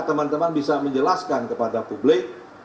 teman teman bisa menjelaskan kepada publik